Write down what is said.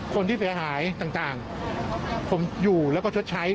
คนที่เสียหายต่างผมอยู่แล้วก็ชดใช้